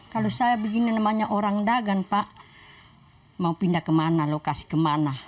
kalau saya begini namanya orang dagang pak mau pindah kemana lokasi kemana